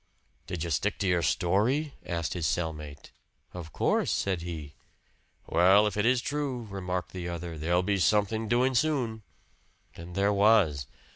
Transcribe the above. "Did you stick to your story?" asked his cellmate. "Of course," said he. "Well, if it is true," remarked the other, "there'll be something doing soon." And there was.